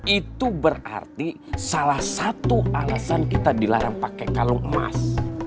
itu berarti salah satu alasan kita dilarang pakai kalung emas